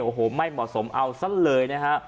โอ้โหไม่เหมาะสมเอาซะเลยนะฮะ